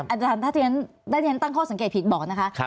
อาจารย์ถ้าที่ฉันตั้งข้อสังเกตผิดบอกนะคะ